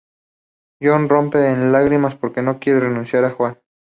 John rompe en lágrimas, porque no quiere renunciar a Joan.